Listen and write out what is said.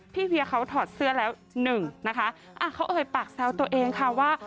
พี่เวียเขาถอดเสื้อแล้ว๑นะคะเขาเอ่ยปากเซลล์ตัวเองค่ะว่า